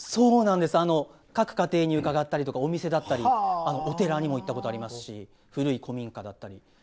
各家庭に伺ったりとかお店だったりお寺にも行ったことありますし古い古民家だったり。